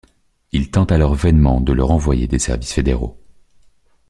Il tente alors vainement de le renvoyer des services fédéraux.